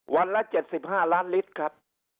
วันละ๗๕ล้านลิตรครับ